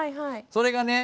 それがね